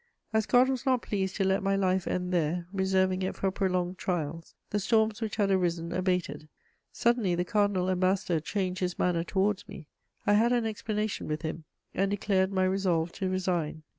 As God was not pleased to let my life end there, reserving it for prolonged trials, the storms which had arisen abated. Suddenly the Cardinal Ambassador changed his manner towards me; I had an explanation with him, and declared my resolve to resign.